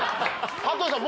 羽鳥さん